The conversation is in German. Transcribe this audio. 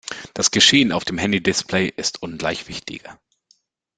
Das Geschehen auf dem Handy-Display ist ungleich wichtiger.